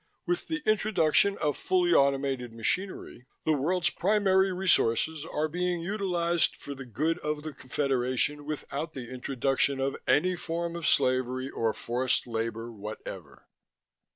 With the introduction of fully automated machinery, the world's primary resources are being utilized for the good of the Confederation without the introduction of any form of slavery or forced labor whatever....